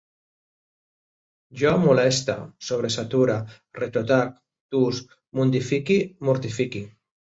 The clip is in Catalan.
Jo moleste, sobresature, retrotrac, tus, mundifique, mortifique